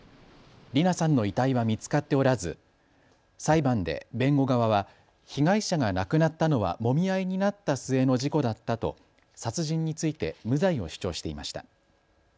理奈さんの遺体は見つかっておらず裁判で弁護側は被害者が亡くなったのはもみ合いになった末の事故だったと殺人について無罪を主張していました。